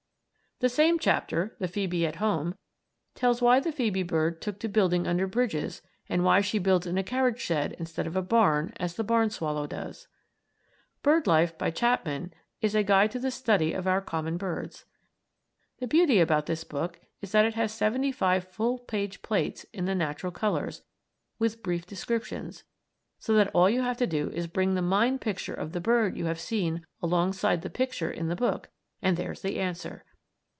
The same chapter, "The Phoebe at Home," tells why the phoebe bird took to building under bridges, and why she builds in a carriage shed instead of a barn, as the barn swallow does. "Bird Life," by Chapman, is a guide to the study of our common birds. The beauty about this book is that it has seventy five full page plates in the natural colors, with brief descriptions, so that all you have to do is to bring the mind picture of the bird you have seen alongside the picture in the book, and there's the answer!